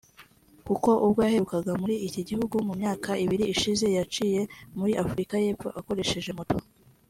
kuko ubwo yaherukaga muri iki gihugu mu myaka ibiri ishize yacikiye muri Afurika y’Epfo akoresheje moto